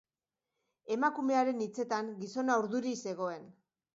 Emakumearen hitzetan, gizona urduri zegoen.